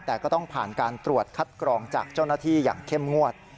แต่ก็ต้องผ่านการตรวจคัดกรองจากเจ้าหน้าที่อย่างเข้มงวด